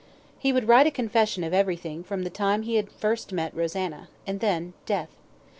He would write a confession of everything from the time he had first met Rosanna, and then death.